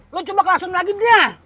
lo coba kelasin lagi dia